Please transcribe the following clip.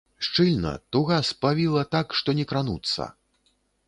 Шчыльна, туга спавіла, так, што не крануцца.